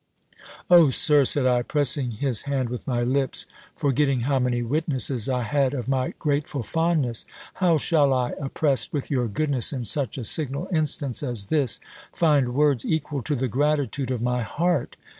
"O Sir," said I, pressing his hand with my lips, forgetting how many witnesses I had of my grateful fondness, "how shall I, oppressed with your goodness, in such a signal instance as this, find words equal to the gratitude of my heart!